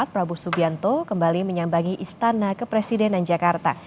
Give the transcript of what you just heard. prabowo subianto kembali menyambangi istana kepresidenan jakarta